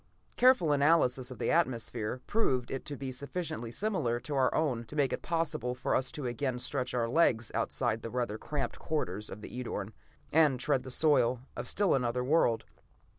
"Careful analysis of the atmosphere proved it to be sufficiently similar to our own to make it possible for us to again stretch our legs outside the rather cramped quarters of the Edorn, and tread the soil of still another world.